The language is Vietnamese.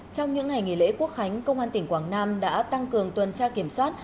trong những ngày nghỉ lễ quốc khánh công an tỉnh quảng nam đã tăng cường tuần tra kiểm soát